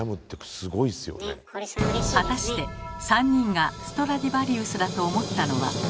果たして３人がストラディヴァリウスだと思ったのは？